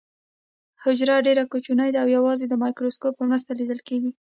حجره ډیره کوچنۍ ده او یوازې د مایکروسکوپ په مرسته لیدل کیږي